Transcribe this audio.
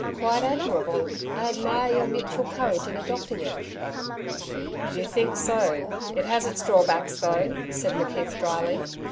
'Quite admirable. I admire your mutual courage in adopting it.' 'You think so! It has its drawbacks, though,' said McKeith dryly.